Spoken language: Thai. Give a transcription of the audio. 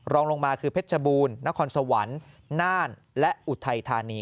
รองลงมาคือเพชรบูรณ์นครสวรรค์น่านและอุทัยธานี